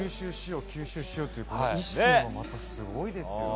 吸収しようという意識もまたすごいですもんね。